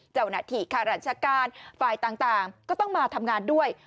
เจ้าหน้าที่ค่าราชการฝ่ายต่างก็ต้องมาทำงานด้วย